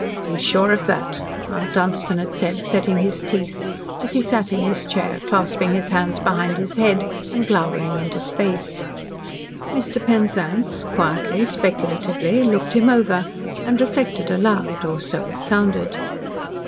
"Be sure of that," Mount Dunstan had said, setting his teeth, as he sat in his chair clasping his hands behind his head and glowering into space. Mr. Penzance quietly, speculatively, looked him over, and reflected aloud or, so it sounded.